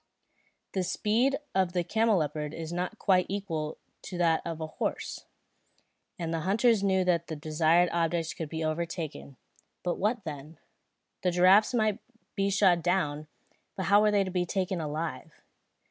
The speed of the camelopard is not quite equal to that of a horse, and the hunters knew that the desired objects could be overtaken; but what then? The giraffes might be shot down, but how were they to be taken alive?